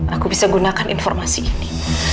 aku bisa gunakan informasi ini